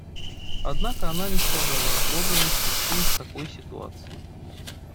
Однако она не сказала о подлинных причинах такой ситуации.